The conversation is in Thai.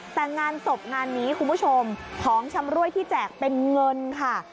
แต่งานศพงานนี้คุณผู้ชมของชำรวยที่แจกเป็นเงินค่ะ